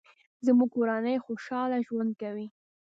زموږ کورنۍ خوشحاله ژوند کوي